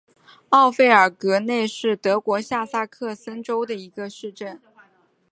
奥费尔格内是德国下萨克森州的一个市镇。